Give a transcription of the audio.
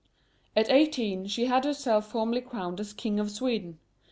At eighteen she had herself formally crowned as KING of Sweden.